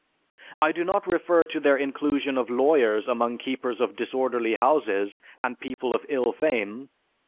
I do not refer to their inclusion of lawyers among keepers of disorderly houses, and people of ill fame.